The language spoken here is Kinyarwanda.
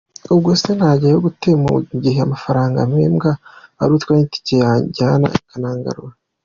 Ubwose nanjyayo gute mu gihe amafaranga mpembwa arutwa n’itike yanjyana ikanangarura ?”.